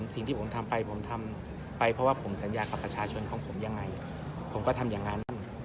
สิ่งที่ผมทำไปผมทำไปเพราะว่าผมสัญญากับประชาชนของผมยังไงผมก็ทำอย่างนั้น